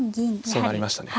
そうなりましたね。